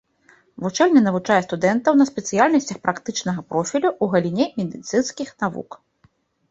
Вучэльня навучае студэнтаў на спецыяльнасцях практычнага профілю ў галіне медыцынскіх навук.